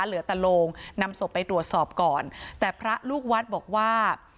เหลือแต่โลงนำศพไปตรวจสอบก่อนแต่พระลูกวัดบอกว่า